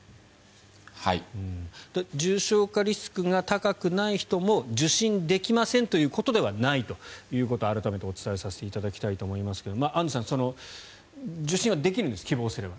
重症化リスクが高くない人も受診できませんということではないということを改めてお伝えさせていただきたいと思いますがアンジュさん受診はできるんです希望すれば。